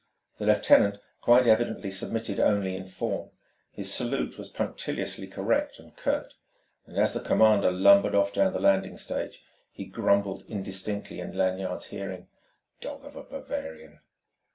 The lieutenant quite evidently submitted only in form; his salute was punctiliously correct and curt; and as the commander lumbered off down the landing stage, he grumbled indistinctly in Lanyard's hearing: "Dog of a Bavarian!"